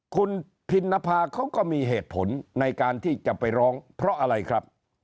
คุณพินนภาเขาก็มีเหตุผลในการที่จะไปร้องเพราะอะไรครับ